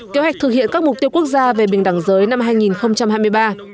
kế hoạch thực hiện các mục tiêu quốc gia về bình đẳng giới năm hai nghìn hai mươi ba